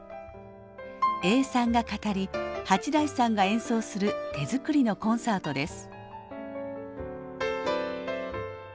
永さんが語り八大さんが演奏する手作りのコンサートです。